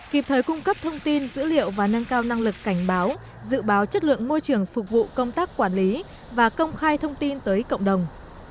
kịp thời cung cấp thông tin dữ liệu và nâng cao năng lực cảnh báo dự báo chất lượng môi trường phục vụ công tác quản lý và công khai thông tin tới cộng đồng